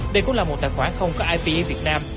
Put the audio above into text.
đây cũng là một tài khoản không có ipe việt nam